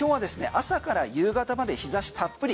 朝から夕方まで日差したっぷり。